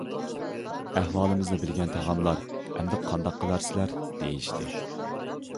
ئەھۋالىمىزنى بىلگەن تاغاملار:« ئەمدى قانداق قىلارسىلەر!؟» دېيىشتى.